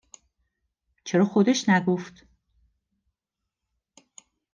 چرا خودش نگفت؟